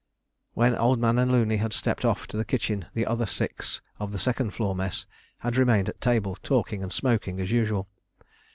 When Old Man and Looney had stepped off to the kitchen the other six of the second floor mess had remained at table, talking and smoking as usual.